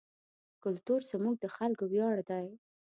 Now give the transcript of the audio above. کلتور زموږ د خلکو ویاړ دی.